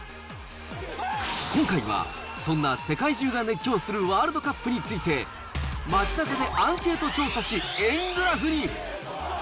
今回は、そんな世界中が熱狂するワールドカップについて、街なかでアンケート調査し、円グラフに。